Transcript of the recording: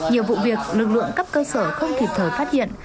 nhiều vụ việc lực lượng cấp cơ sở không kịp thời phát hiện